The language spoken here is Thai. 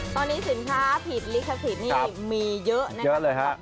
ตอนนี้สินค้าผิดลิขสิทธิ์นี่มีเยอะนะครับ